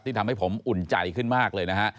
ทำให้ผมอุ่นใจขึ้นมากเลยนะฮะ